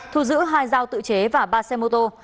thu giữ hai dao tự chế và ba xe mô tô